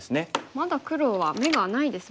まだ黒は眼がないですもんね。